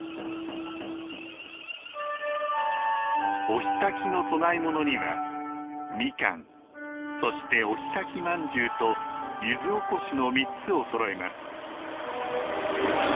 お火焚きの供え物には、みかんそして、お火焚きまんじゅうと柚子おこしの３つをそろえます。